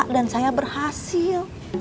dan saya berhasil